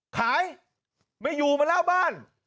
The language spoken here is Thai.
ขายไม่อยู่มาเล่าบ้าน